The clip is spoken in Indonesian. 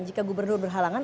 jika gubernur berhalangan